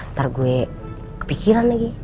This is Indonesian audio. ntar gue kepikiran lagi